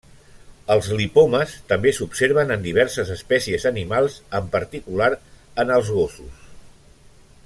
Els lipomes també s'observen en diverses espècies animals, en particular en els gossos.